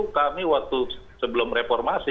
kami waktu sebelum reformasi